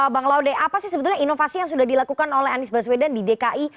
bang laude apa sih sebetulnya inovasi yang sudah dilakukan oleh anies baswedan di dki